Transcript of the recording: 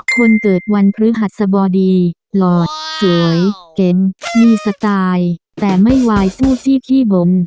คนเกิดวันพฤหัสสบดีหลอดสวยเก๋งมีสไตล์แต่ไม่วายสู้ซี่ขี้บม